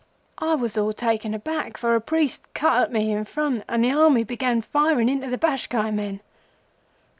I was all taken aback, for a priest cut at me in front, and the Army behind began firing into the Bashkai men.